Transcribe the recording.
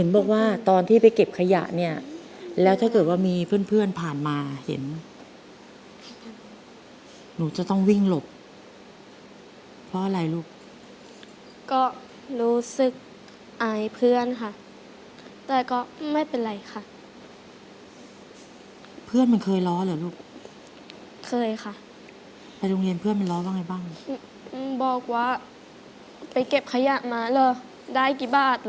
บอกว่าตอนที่ไปเก็บขยะเนี่ยแล้วถ้าเกิดว่ามีเพื่อนเพื่อนผ่านมาเห็นหนูจะต้องวิ่งหลบเพราะอะไรลูกก็รู้สึกอายเพื่อนค่ะแต่ก็ไม่เป็นไรค่ะเพื่อนมันเคยล้อเหรอลูกเคยค่ะไปโรงเรียนเพื่อนมันล้อบ้างไงบ้างบอกว่าไปเก็บขยะมาเหรอได้กี่บาทเหรอ